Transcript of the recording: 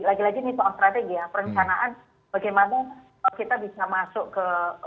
lagi lagi ini soal strategi ya perencanaan bagaimana kita bisa masuk ke